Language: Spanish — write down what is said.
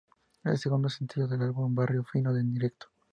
Es el segundo sencillo del álbum Barrio Fino En Directo.